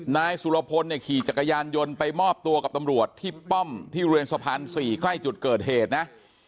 นายสุรพลเนี่ยขี่จักรยานยนต์ไปมอบตัวกับตำรวจที่ป้อมที่บริเวณสะพาน๔ใกล้จุดเกิดเหตุนะ